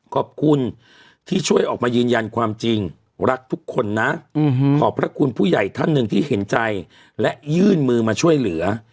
ขอบคุณที่ช่วยออกมายืนยันความจริงรักทุกคนนะขอบพระคุณผู้ใหญ่ท่านหนึ่งที่เห็นใจและยื่นมือมาช่วยเหลือ